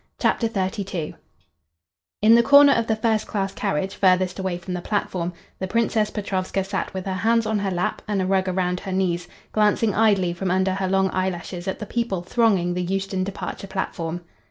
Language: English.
CHAPTER XXXII In the corner of the first class carriage farthest away from the platform, the Princess Petrovska sat with her hands on her lap and a rug round her knees, glancing idly from under her long eyelashes at the people thronging the Euston departure platform.